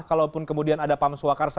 kalaupun kemudian ada pam swakarsa